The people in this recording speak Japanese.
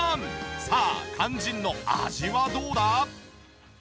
さあ肝心の味はどうだ？